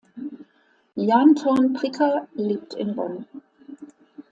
Jan Thorn-Prikker lebt in Bonn.